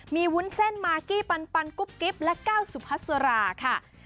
มีวุ้นเส้นมากกี้ปันกุ๊บกิ๊บและก้าวสุพัสราค่ะ